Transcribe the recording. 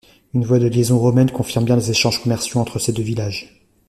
Une voie de liaison romaine confirme bien les échanges commerciaux entre ces deux villages.